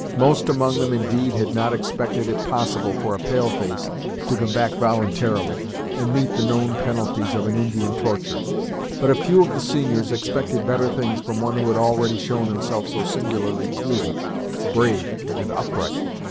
Most among them, indeed, had not expected it possible for a pale face to come back voluntarily, and meet the known penalties of an Indian torture; but a few of the seniors expected better things from one who had already shown himself so singularly cool, brave and upright.